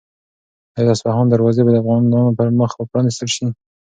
آیا د اصفهان دروازې به د افغانانو پر مخ پرانیستل شي؟